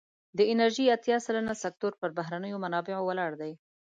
د انرژی اتیا سلنه سکتور پر بهرنیو منابعو ولاړ دی.